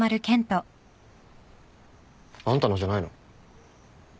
あんたのじゃないの？